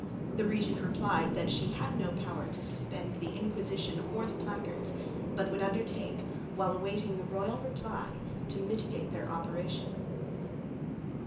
The regent replied that she had no power to suspend the Inquisition or the placards, but would undertake, while awaiting the royal reply, to mitigate their operation.